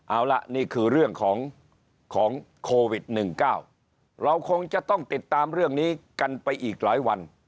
เอาละนี่คือเรื่องของโควิด๑๙เราคงจะต้องติดตามเรื่องนี้กันไปอีกหลายวัน